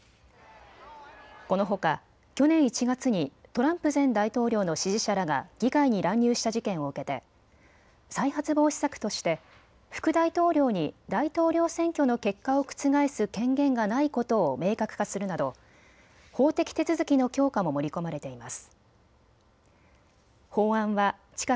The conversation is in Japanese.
このほか去年１月にトランプ前大統領の支持者らが議会に乱入した事件を受けて再発防止策として副大統領に大統領選挙の結果を覆す権限がないことを明確化するなど法的手続きの強化も盛り込まれています。